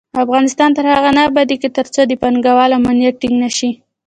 افغانستان تر هغو نه ابادیږي، ترڅو د پانګه والو امنیت ټینګ نشي.